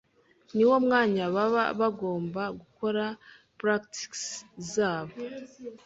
niwo mwanya baba bagomba gukora practices zabo